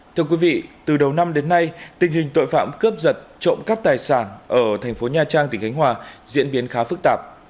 thưa quý vị từ đầu năm đến nay tình hình tội phạm cướp giật trộm cắp tài sản ở thành phố nha trang tỉnh khánh hòa diễn biến khá phức tạp